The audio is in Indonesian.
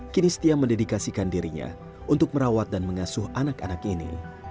kini setia mendedikasikan dirinya untuk merawat dan mengasuh anak anak ini